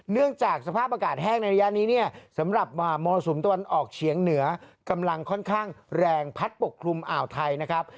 เนื่องจากสภาพอากาศแห้งในระยะนี้เนี่ยสำหรับมรสุมตะวันออกเฉียงเหนือกำลังค่อนข้างแรงพัดปกคลุมอ่าวไทยนะครับ